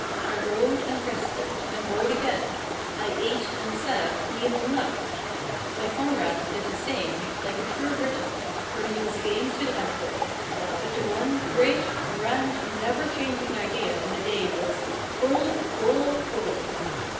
I rowed and rested, and rowed again; I ate and sang, and even laughed. My comrade did the same, like a true Briton, for he was game to the backbone. But the one great, grand, never changing idea in the day was pull pull pull!